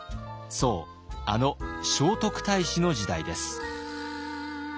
そうあの聖徳太子の時代です。